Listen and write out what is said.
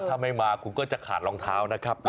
ถ้าไม่มาคุณก็จะขาดรองเท้านะครับ